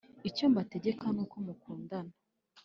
Icyo mbategeka nuko mukundana